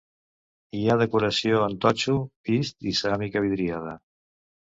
Hi ha decoració en totxo vist i ceràmica vidriada.